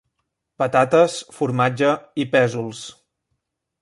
Patates, formatge i pèsols.